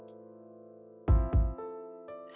kalau suami itu adalah pemimpin dalam suatu rumah tangga